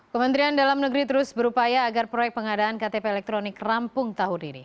kementerian dalam negeri terus berupaya agar proyek pengadaan ktp elektronik rampung tahun ini